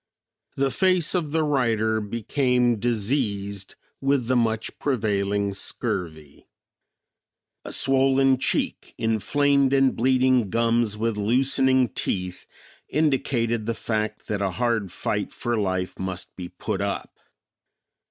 The face of the writer became diseased with the much prevailing scurvy. A swollen cheek, inflamed and bleeding gums with loosening teeth, indicated the fact that a hard fight for life must be put up.